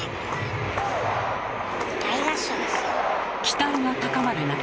期待が高まる中。